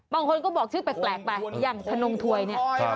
บางคนก็บอกชื่อแปลกไปอย่างธนงถวยเนี่ย